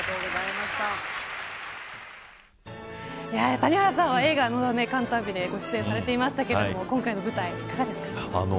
谷原さんは、映画のだめカンタービレに出演してましたが今回の舞台いかがですか。